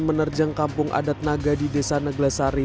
menerjang kampung adat naga di desa naglasari